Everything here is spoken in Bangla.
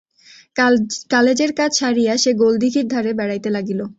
কালেজের কাজ সারিয়া সে গোলদিঘির ধারে বেড়াইতে লাগিল।